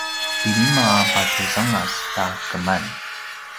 pilima a pasusangas ta keman